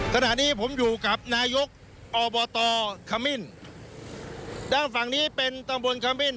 ขณะนี้ผมอยู่กับนายกอบตขมิ้นด้านฝั่งนี้เป็นตำบลขมิ้น